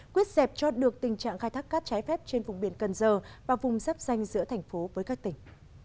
quyết dẹp cho được tình trạng khai thác cát trái phép trên vùng biển cần giờ và vùng dắp danh giữa tp hcm với các tỉnh